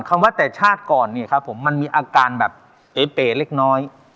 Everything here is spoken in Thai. คำว่าแต่ชาติก่อนเนี่ยครับผมมันมีอาการแบบเป๋เล็กน้อย